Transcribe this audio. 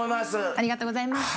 ありがとうございます。